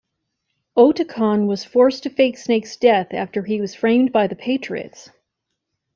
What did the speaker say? Otacon was forced to fake Snake's death after he was framed by the Patriots.